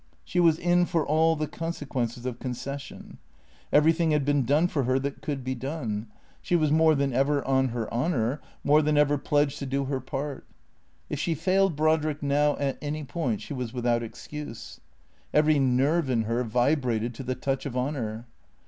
She was in for all the consequences of concession. Everything had been done for her that could be done. She was more than 342 THECEEATOES ever on her honour, more than ever pledged to do her part. If she failed Brodrick now at any point she was without excuse. Every nerve in her vibrated to the touch of honour.